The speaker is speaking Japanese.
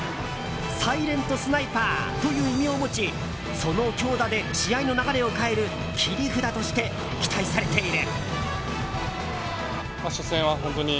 サイレントスナイパーという異名を持ちその強打で試合の流れを変える切り札として期待されている。